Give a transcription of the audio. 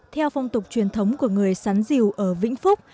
theo phong tục truyền thống của người sán diều ở vĩnh phúc